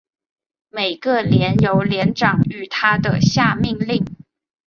每个连由连长与他的下命令。